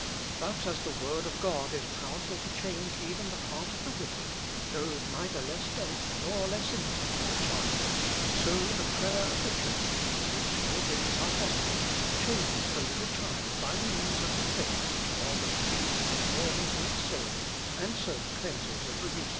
But as the Word of God is powerful to change even the heart of the wicked, though neither less deaf, nor less impotent than a little child; so the prayer of the Church, to which all things are possible, changes the little child by means of the faith which God is pleased to pour into its soul, and so cleanses and renews it."